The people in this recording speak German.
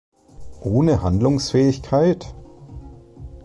Ohne Handlungsfähigkeit?